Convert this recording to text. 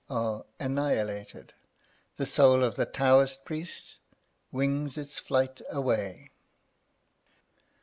are annihilated; the soul of the Taoist priest wings its flight away.